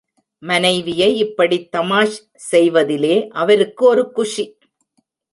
மனைவியை இப்படித் தமாஷ் செய்வதிலே அவருக்கு ஒரு குஷி.